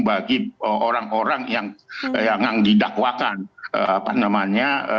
bagi orang orang yang didakwakan